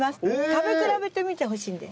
食べ比べてみてほしいんです。